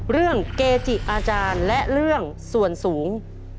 เกจิอาจารย์และเรื่องส่วนสูง